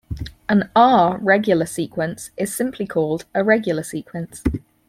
An "R"-regular sequence is called simply a regular sequence.